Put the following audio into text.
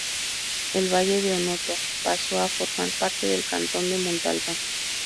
El Valle de Onoto pasó a formar parte del Cantón de Montalbán.